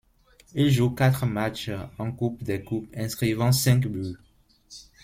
Il joue quatre matchs en Coupe des coupes, inscrivant cinq buts.